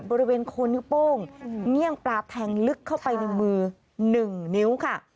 บริเวณโคนนิ้วโป้งเมี่ยงปลาแทงลึกเข้าไปในมือ๑นิ้วค่ะ